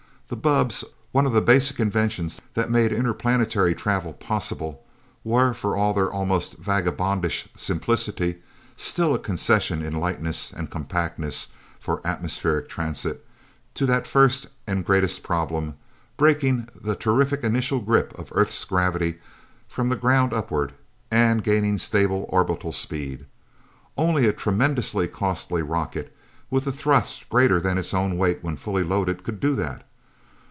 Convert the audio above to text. The bubbs, one of the basic inventions that made interplanetary travel possible, were, for all their almost vagabondish simplicity, still a concession in lightness and compactness for atmospheric transit, to that first and greatest problem breaking the terrific initial grip of Earth's gravity from the ground upward, and gaining stable orbital speed. Only a tremendously costly rocket, with a thrust greater than its own weight when fully loaded, could do that.